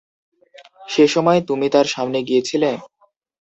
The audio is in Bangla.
সে-সময় তুমি তার সামনে গিয়েছিলে?